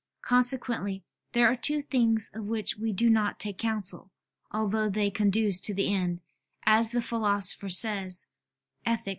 Consequently there are two things of which we do not take counsel, although they conduce to the end, as the Philosopher says (Ethic.